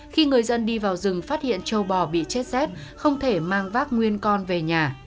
khi người dân đi vào rừng phát hiện châu bò bị chết rét không thể mang vác nguyên con về nhà